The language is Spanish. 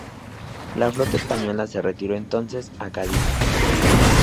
La flota española se retiró entonces a Cádiz.